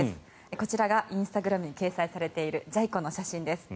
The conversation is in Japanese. こちらがインスタグラムに掲載されているジャイ子の写真です。